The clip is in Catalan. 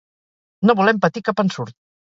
no volem patir cap ensurt